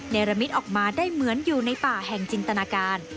รมิตออกมาได้เหมือนอยู่ในป่าแห่งจินตนาการ